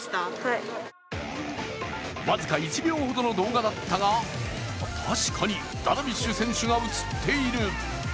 僅か１秒ほどの動画だったが、確かにダルビッシュ選手が映っている。